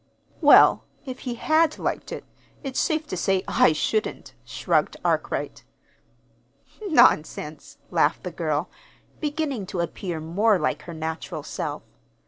"Well, if he had liked it, it's safe to say I shouldn't," shrugged Arkwright. "Nonsense!" laughed the girl, beginning to appear more like her natural self.